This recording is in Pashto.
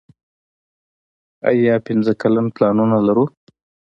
آیا پنځه کلن پلانونه لرو؟